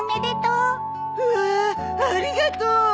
うわあありがとう！